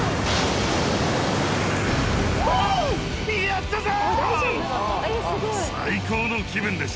やったぞ！